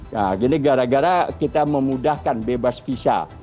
nah gini gara gara kita memudahkan bebas visa